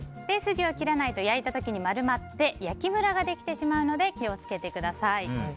筋を切らないと焼いた時に丸まって焼きムラができてしまうので気を付けてください。